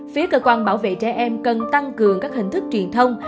phía cơ quan bảo vệ trẻ em cần tăng cường các hình thức truyền thông